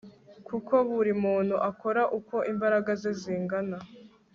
kuko buri muntu akora uko imbaraga ze zingana